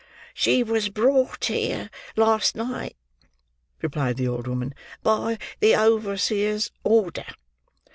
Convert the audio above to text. "She was brought here last night," replied the old woman, "by the overseer's order.